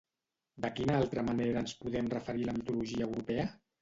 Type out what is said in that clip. De quina altra manera ens podem referir a la mitologia europea?